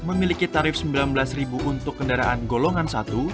memiliki tarif rp sembilan belas untuk kendaraan golongan satu